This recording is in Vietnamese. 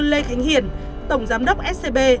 lê khánh hiển tổng giám đốc scb